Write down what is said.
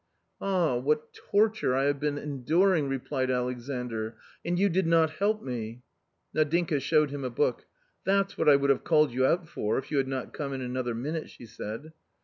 "Ah, what torture I have been enduring," replied Alexandr ; "and you did not help me !" Nadinka showed him a book. "That's what I would have called you out for, if you had not come in another minute," she said.